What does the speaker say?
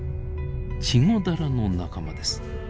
チゴダラの仲間です。